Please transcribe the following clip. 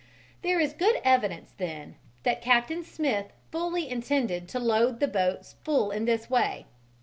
There is good evidence, then, that Captain Smith fully intended to load the boats full in this way.